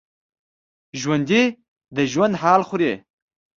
ژوندي د ژوند حال خوري